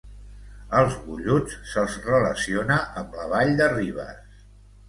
Als golluts se'ls relaciona amb la Vall de Ribes.